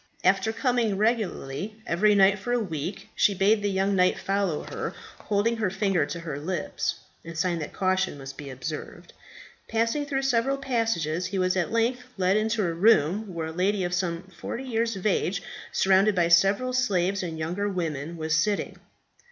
After coming regularly every night for a week, she bade the young knight follow her, holding her finger to her lips in sign that caution must be observed. Passing through several passages, he was at length led into a room where a lady of some forty years of age, surrounded by several slaves and younger women, was sitting.